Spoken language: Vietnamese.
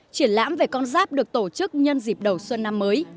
triển lãm về con giáp được tổ chức nhân dịp đầu xuân năm mới